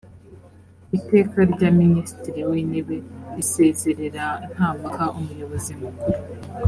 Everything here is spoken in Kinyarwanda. iteka rya minisitiri w intebe risezerera nta mpaka umuyobozi mukuru